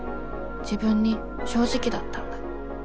自分に正直だったんだ。